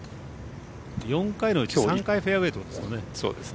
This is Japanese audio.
４回のうち３回フェアウエーですもんね。